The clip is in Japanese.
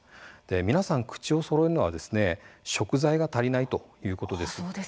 皆さん口をそろえるのは食材が足りないということです。